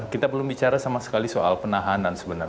kita belum bicara sama sekali soal penahanan sebenarnya